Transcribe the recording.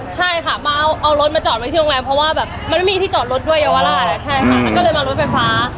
ใช่ค่ะมาเอาเอารถมาจอดไว้ที่โรงแรมเพราะว่าแบบมันไม่มีที่จอดรถด้วยเยาวราชอ๋อ๋อ